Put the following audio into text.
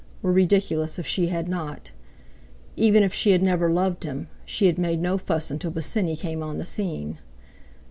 were ridiculous if she had not. Even if she had never loved him, she had made no fuss until Bosinney came on the scene.